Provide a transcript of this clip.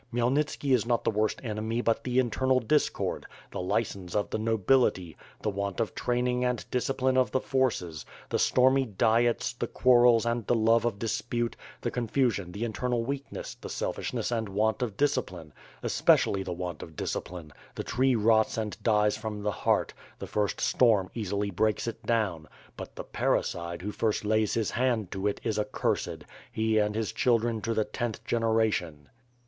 Khmyelnitski is not the worst enemy but the internal discord, the license of the nobility, the want of training and discipline of the forces, the stormy Diets, the quarrels and the love of dispute, the confusion, the internal weakness, the selfishness and want of discipline — especially the want of discipline, the tree rots and dies from the heart, the first storm easily breaks it down, but the parricide who first lays his hand to it is accursed; he and his children to the tenth generation.